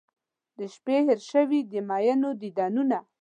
د شپې هیر شوي د میینو دیدنونه